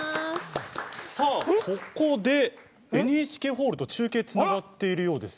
ここでＮＨＫホールと中継つながっているようです。